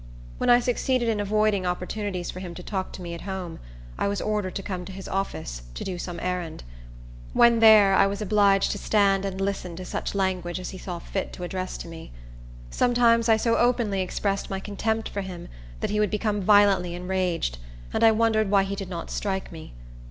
When I succeeded in avoiding opportunities for him to talk to me at home, I was ordered to come to his office, to do some errand. When there, I was obliged to stand and listen to such language as he saw fit to address to me. Sometimes I so openly expressed my contempt for him that he would become violently enraged, and I wondered why he did not strike me.